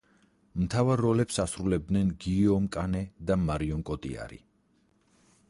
მთავარ როლებს ასრულებენ გიიომ კანე და მარიონ კოტიარი.